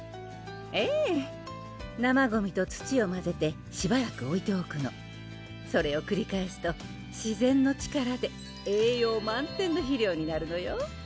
ええ生ゴミと土をまぜてしばらくおいておくのそれをくり返すと自然の力で栄養満点の肥料になるのよ